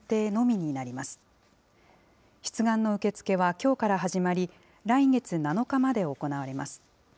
出願の受け付けはきょうから始まり、来月７日まで行われます。